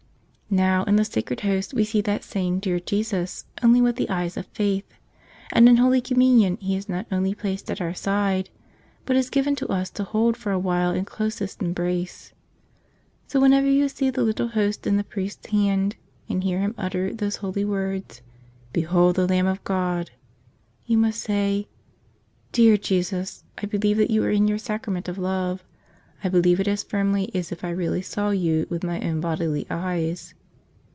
Now, in the Sacred Host we see that same dear Jesus, only with the eyes of faith. And in Holy Com¬ munion He is not only placed at our side, but is given to us to hold for a while in closest embrace. So when¬ ever you see the little Host in the priest's hand and hear him utter those holy words, "Behold the Lamb of God!" you must say, "Dear Jesus, I believe that You are in Your Sacrament of Love; I believe it as firmly as if I really saw You with my own bodily eyes."